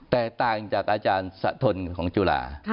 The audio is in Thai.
แตกต่างจากอาจารย์สะทนของจุฬา